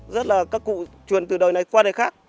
rất là các cụ truyền từ đời này qua đời khác